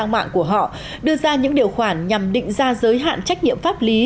mạng của họ đưa ra những điều khoản nhằm định ra giới hạn trách nhiệm pháp lý